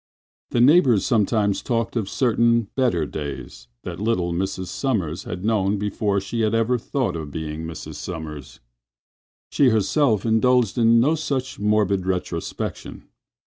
The neighbors sometimes talked of certain "better days" that little Mrs. Sommers had known before she had ever thought of being Mrs. Sommers. She herself indulged in no such morbid retrospection.